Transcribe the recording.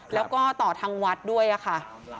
แล้วก็ต่อทางวัดด้วยค่ะ